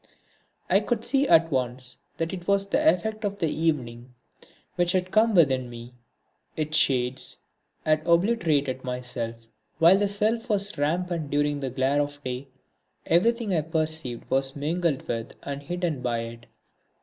I could see at once that it was the effect of the evening which had come within me; its shades had obliterated my self. While the self was rampant during the glare of day, everything I perceived was mingled with and hidden by it.